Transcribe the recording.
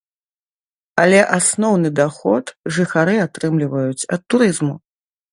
Але асноўны даход жыхары атрымліваюць ад турызму.